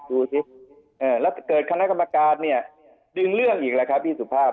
ดูสิแล้วเกิดคณะกรรมการเนี่ยดึงเรื่องอีกแล้วครับพี่สุภาพ